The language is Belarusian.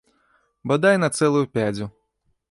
Бадай на цэлую пядзю.